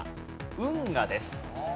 運河です。